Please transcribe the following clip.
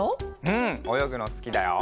うんおよぐのすきだよ。